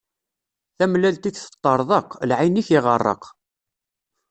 Tamellalt-ik teṭṭeṛḍeq, lɛin-ik iɣeṛṛeq.